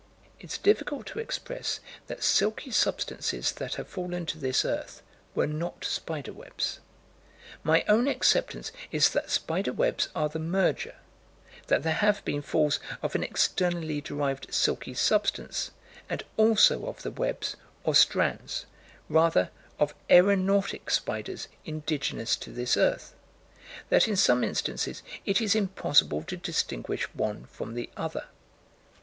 It's difficult to express that silky substances that have fallen to this earth were not spider webs. My own acceptance is that spider webs are the merger; that there have been falls of an externally derived silky substance, and also of the webs, or strands, rather, of aeronautic spiders indigenous to this earth; that in some instances it is impossible to distinguish one from the other.